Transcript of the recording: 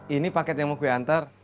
ini paket yang mau gue antar